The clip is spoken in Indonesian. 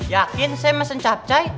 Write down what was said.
yakin saya pesen capcay